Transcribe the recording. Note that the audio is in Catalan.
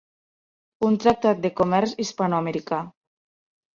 Un tractat de comerç hispanoamericà.